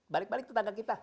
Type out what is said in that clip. balik balik itu tangga kita